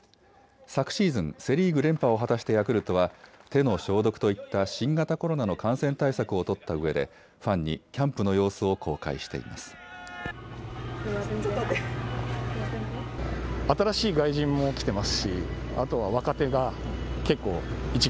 昨シーズン、セ・リーグ連覇を果たしたヤクルトは手の消毒といった新型コロナの感染対策を取ったうえでファンにキャンプの様子を公開しています。